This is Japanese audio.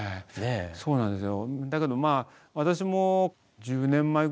そうなんですよ。